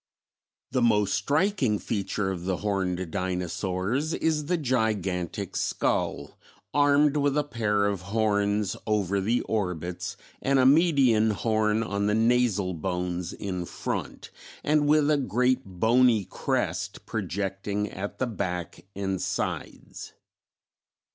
The most striking feature of the Horned Dinosaurs is the gigantic skull, armed with a pair of horns over the orbits and a median horn on the nasal bones in front, and with a great bony crest projecting at the back and sides.